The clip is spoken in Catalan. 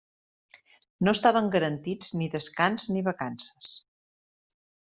No estaven garantits ni descans, ni vacances.